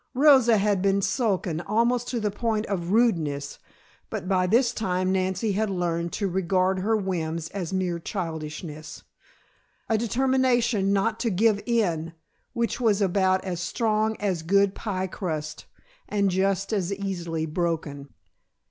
Rosa had been sullen almost to the point of rudeness, but by this time Nancy had learned to regard her whims as mere childishness, a determination not "to give in" which was about as strong as good pie crust and just as easily broken.